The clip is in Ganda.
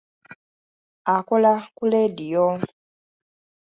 Akola ku leediyo.